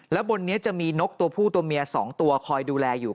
แล้วบนนี้จะมีนกตัวผู้ตัวเมีย๒ตัวคอยดูแลอยู่